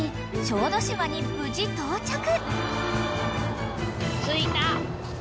小豆島に無事到着］